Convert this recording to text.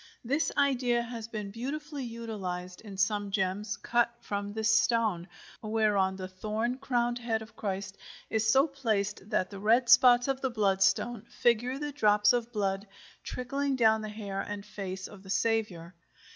This idea has been beautifully utilized in some gems cut from this stone, whereon the thorn crowned head of Christ is so placed that the red spots of the bloodstone figure the drops of blood trickling down the hair and face of the Saviour.